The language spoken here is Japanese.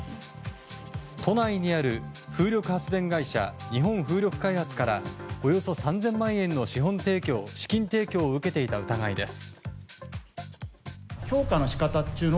都内にある風力発電会社日本風力開発からおよそ３０００万円の資金提供を受けていた疑いです。